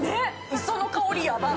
磯の香り、やばっ。